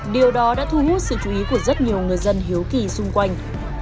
điều đó đã thu hút sự chú ý của rất nhiều người dân hiếu kỳ xung quanh